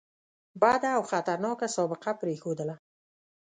بده او خطرناکه سابقه پرېښودله.